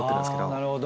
なるほど。